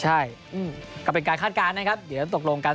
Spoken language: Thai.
ใช่ก็เป็นการคาดการณ์นะครับเดี๋ยวตกลงกัน